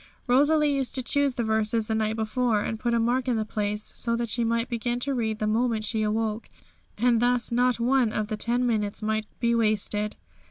Rosalie used to choose the verses the night before, and put a mark in the place, so that she might begin to read the moment she awoke, and thus not one of the ten minutes might be wasted.